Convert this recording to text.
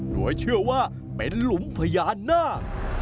โดยเชื่อว่าเป็นหลุมพญานาค